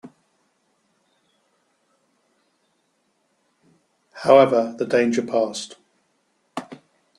However, the danger passed.